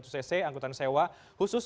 seribu tiga ratus cc angkutan sewa khusus